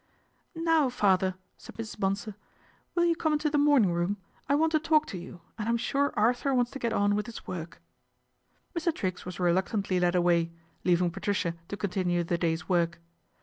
Now, father," said Mrs. Bonsor, " will you come into the morning room ? I want to talk to you, and I'm sure Arthur wants to get on with his work." Mr. Triggs was reluctantly led away, leaving Patricia to continue the day's work.